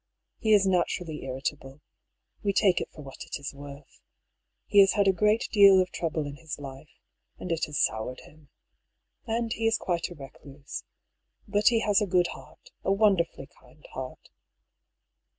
"He is naturally irritable. We take it for what it is worth. He has had a great deal of trouble in his life, and it has soured him. And he is quite a recluse. But he has a good heart, a wonderfully kind heart."